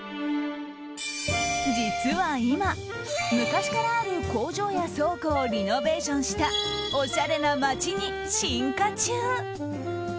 実は今、昔からある工場や倉庫をリノベーションしたおしゃれな街に進化中。